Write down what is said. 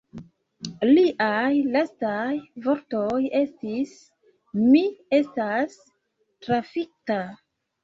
Liaj lastaj vortoj estis: «Mi estas trafita.